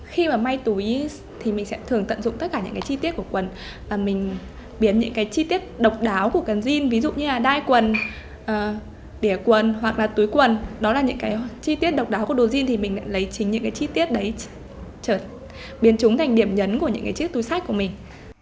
khi mà may túi thì mình sẽ thường tận dụng tất cả những cái chi tiết của quần và mình biến những cái chi tiết độc đáo của cái jean ví dụ như là đai quần đĩa quần hoặc là túi quần đó là những cái chi tiết độc đáo của đồ jean thì mình lại lấy chính những cái chi tiết đấy biến chúng thành điểm nhấn của những cái chiếc túi sách của mình